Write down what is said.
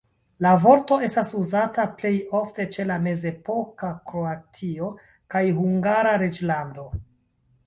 La vorto estas uzata plej ofte ĉe la mezepoka Kroatio kaj Hungara Reĝlando.